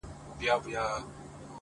خو ژوند حتمي ستا له وجوده ملغلري غواړي ـ